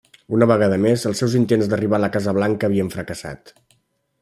Una vegada més, els seus intents d'arribar a la Casa Blanca havien fracassat.